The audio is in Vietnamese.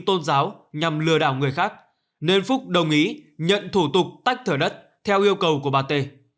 tôn giáo nhằm lừa đảo người khác nên phúc đồng ý nhận thủ tục tách thửa đất theo yêu cầu của bà t